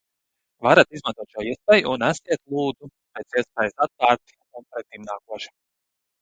Varat izmantot šo iespēju un esiet, lūdzu, pēc iespējas atvērti un pretimnākoši.